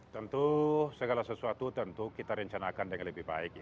tentu segala sesuatu tentu kita rencanakan dengan lebih baik